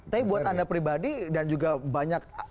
tapi buat anda pribadi dan juga banyak